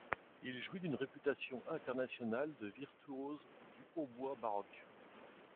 Il jouit d'une réputation internationale de virtuose du hautbois baroque.